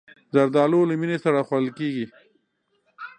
زردالو له مینې سره خوړل کېږي.